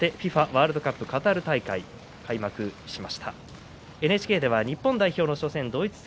ワールドカップカタール大会が今月２０日に開幕しました。